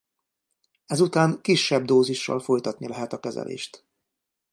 Ezután kisebb dózissal folytatni lehet a kezelést.